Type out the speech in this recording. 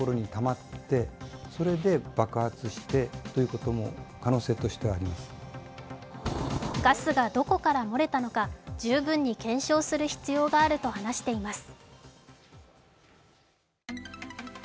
このことについて専門家はガスがどこから漏れたのか十分に検証する必要があると話しています。